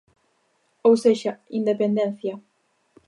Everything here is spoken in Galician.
Ou sexa, independencia.